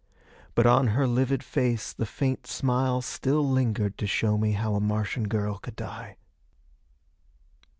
But on her livid face the faint smile still lingered to show me how a Martian girl could die.